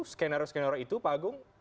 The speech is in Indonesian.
scenario scenario itu pak agung